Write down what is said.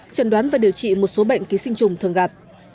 trần đoán và điều trị một số bệnh ký sinh trùng thường gặp